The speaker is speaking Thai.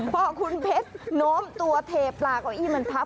พอคุณเพชรโน้มตัวเทปลาเก้าอี้มันพับ